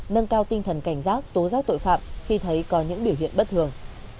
nâng cao tinh thần cảnh giác tố giác tội phạm khi thấy có những biểu hiện bất thường